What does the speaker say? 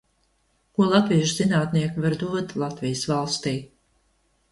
Ko latviešu zinātnieki var dot Latvijas valstij?